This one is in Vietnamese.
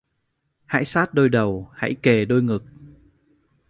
Hãy sát đôi đầu, hãy kề đôi ngực!